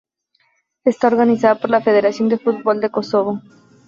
Está organizada por la Federación de Fútbol de Kosovo.